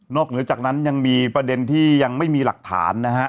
เหนือจากนั้นยังมีประเด็นที่ยังไม่มีหลักฐานนะฮะ